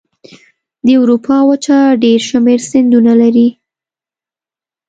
د اروپا وچه ډېر شمیر سیندونه لري.